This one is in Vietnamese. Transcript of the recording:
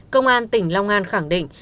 công an tỉnh long an khẳng định